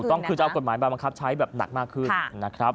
ถูกต้องคือจะเอากฎหมายบำคับใช้แบบหนักมากขึ้น